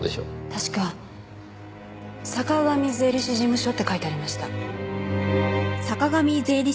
確か「坂上税理士事務所」って書いてありました。